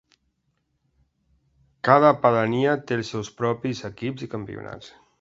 Cada pedania té els seus propis equips i campionats.